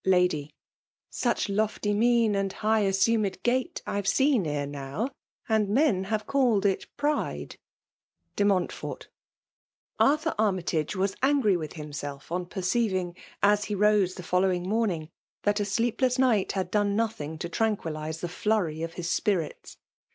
Ladtf. Such lufty mipnj and high ovaumed gait, I*ve seen ere now, and men hare called it pride^ Arthur Armytaoe was angry with himself on perceiving, as he rose the following morning, that a sleepless night had done nothing to tranquillize the flurry of his spirits.